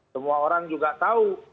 semua orang juga tahu